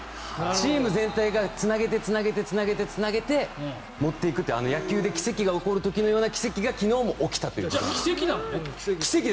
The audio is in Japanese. チーム全体がつなげてつなげてつなげて持っていくという野球で奇跡が起きる時のような奇跡がじゃあ奇跡なのね？